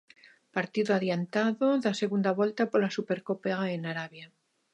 Partido adiantado da segunda volta pola Supercopa en Arabia.